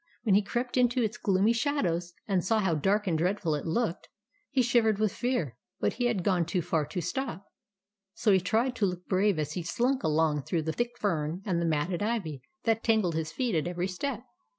When he crept into its gloomy shadows and saw how dark and dreadful it looked, he shivered with fear ; but he had gone too far to stop; so he tried to look brave as he slunk along through the thick fern and the matted ivy that tangled his feet at every step.